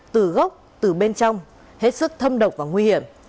từ gốc từ bên trong hết sức thâm độc và nguy hiểm